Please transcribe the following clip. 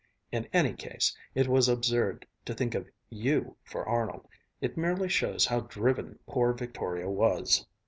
In any case, it was absurd to think of you for Arnold. It merely shows how driven poor Victoria was!"